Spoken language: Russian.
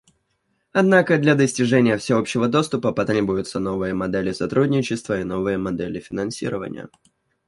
Однако для достижения всеобщего доступа потребуются новые модели сотрудничества и новые модели финансирования.